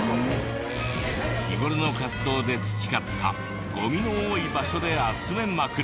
日頃の活動で培ったゴミの多い場所で集めまくる！